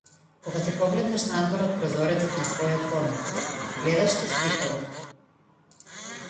Кога ќе погледнеш надвор од прозорецот на својот дом, гледаш ли стихови?